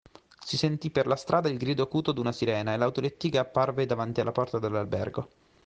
Si sentí per la strada il grido acuto d'una sirena e l'autolettiga apparve davanti alla porta dell'albergo.